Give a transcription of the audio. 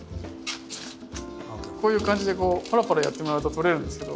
こういう感じでパラパラやってもらうと取れるんですけど。